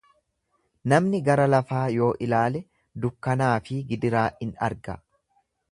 Namni gara lafaa yoo ilaale dukkanaa fi gidiraa in arga.